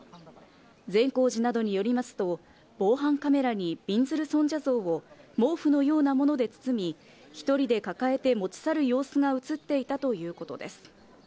善光寺などによりますと、防犯カメラに、びんずる尊者像を毛布のようなもので包み、１人で抱えて持ち去る様子が映っていたということです。